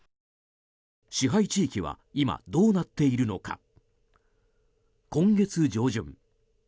支配地域は今、どうなっているのか。